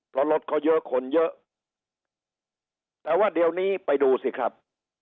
เพราะรถเขาเยอะคนเยอะแต่ว่าเดี๋ยวนี้ไปดูสิครับ